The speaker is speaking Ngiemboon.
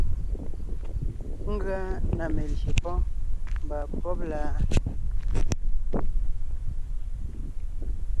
Ngʉa na melyè pɔ́ɔn mba pɔ́b la.